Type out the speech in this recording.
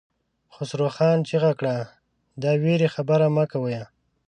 خسرو خان چيغه کړه! د وېرې خبرې مه کوئ!